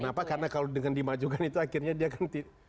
kenapa karena kalau dengan dimajukan itu akhirnya dia kan